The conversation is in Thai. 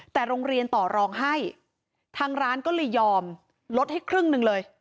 แต่โรงเรียนต่อรองให้ทางร้านก็เลยยอมลดให้ครึ่งหนึ่งเลย